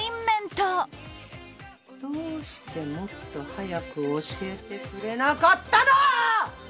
どうしてもっと早く教えてくれなかったの！